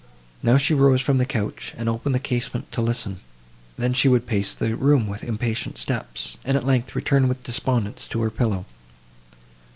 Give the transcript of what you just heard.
Now she rose from the couch, and opened the casement to listen; then she would pace the room with impatient steps, and, at length, return with despondence to her pillow.